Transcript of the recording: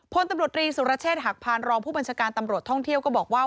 พลตำรวจรีสุรเชษฐหักพานรองผู้บัญชาการตำรวจท่องเที่ยวก็บอกว่า